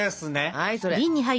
はいそれ！